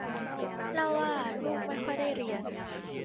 เล่าว่าลูกไม่ค่อยได้เรียน